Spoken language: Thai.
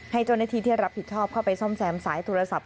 ให้เจ้าหน้าที่ที่รับผิดชอบเข้าไปซ่อมแซมสายโทรศัพท์